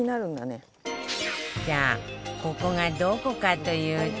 さあここがどこかというと